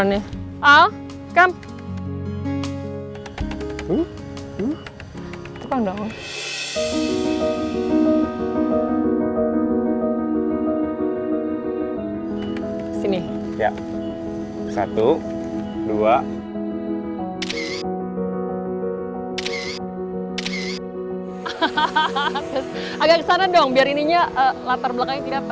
hahaha agak sana dong biar ininya latar belakangnya tidak